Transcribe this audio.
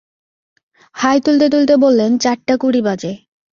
High তুলতে-তুলতে বললেন, চারটা কুড়ি বাজে।